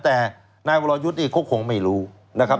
แต่นายวรยุทธ์นี่เขาคงไม่รู้นะครับ